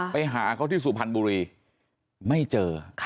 ไปหาเขาที่สุพรรณบุรีไม่เจอ